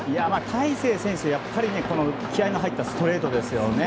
大勢選手はやっぱり気合の入ったストレートですよ。